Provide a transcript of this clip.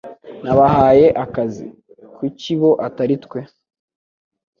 Nabahaye akazi." "Kuki bo atari twe?"